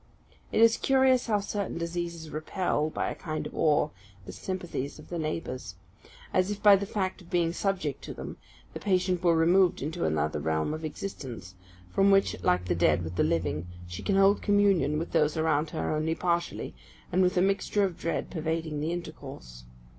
It is curious how certain diseases repel, by a kind of awe, the sympathies of the neighbours: as if, by the fact of being subject to them, the patient were removed into another realm of existence, from which, like the dead with the living, she can hold communion with those around her only partially, and with a mixture of dread pervading the intercourse.